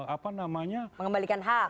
apa namanya mengembalikan hak